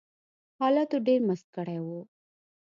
حالاتو ډېر مست کړي وو